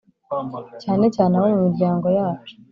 cyane cyane abo mu miryango yacu.